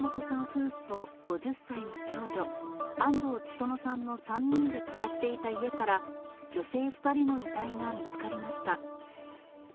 夫婦と、５０歳の長女、安藤千園さんの３人で暮らしていた家から女性２人の遺体が見つかりました。